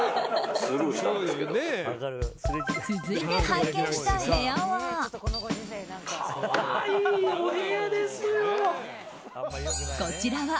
続いて拝見した部屋は。